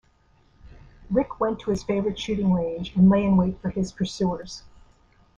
Rick went to his favorite shooting range and lay in wait for his pursuers.